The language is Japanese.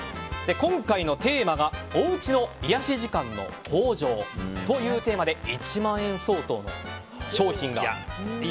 今回のテーマはおうちの癒やし時間の向上というテーマで１万円相当の商品が。